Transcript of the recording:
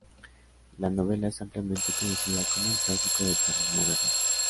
La novela es ampliamente conocida como un clásico del terror moderno.